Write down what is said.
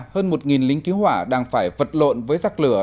hơn một lính cứu hỏa đang phải vật lộn với giặc lửa